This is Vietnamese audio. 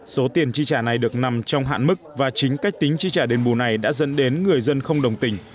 số tiền chi trả này được nằm trong hạn mức và chính cách tính chi trả đền bù này đã dẫn đến người dân không đồng tình